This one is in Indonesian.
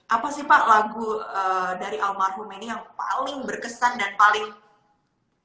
apa sih pak lagu dari almarhum ini yang paling berkesan dan paling